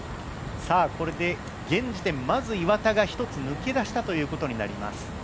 これで現時点まず岩田が一つ抜け出したということになります。